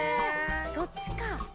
そっちか。